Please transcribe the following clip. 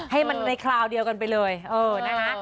ให้มันในคราวเดียวกันไปเลยเออนะคะ